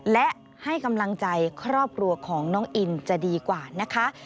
และให้กำลังใจครอบครัวของน้องอินจะดีกว่านะคะ